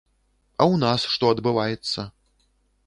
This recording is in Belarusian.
А ў нас што адбываецца?